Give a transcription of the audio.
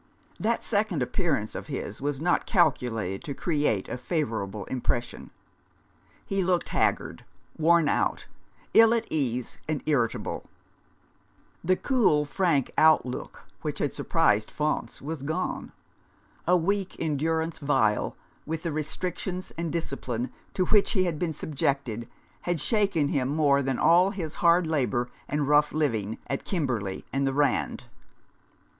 That second appearance of his was not cal culated to create a favourable impression. He looked haggard, worn out, ill at ease, and irritable. 141 Rough Justice. The cool, frank outlook which had surprised Faunce was gone. A week in durance vile, with the restrictions and discipline to which he had been subjected, had shaken him more than all his hard labour and rough living at Kimberley and the Rand.